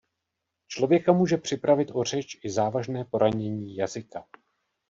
Člověka může připravit o řeč i závažné poranění jazyka.